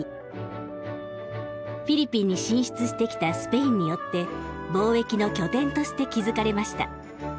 フィリピンに進出してきたスペインによって貿易の拠点として築かれました。